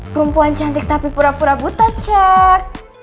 perempuan cantik tapi pura pura buta char